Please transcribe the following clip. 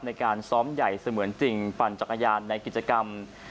ในการซ้อมใหญ่เสมือนจริงปั่นจักรยานในกิจกรรม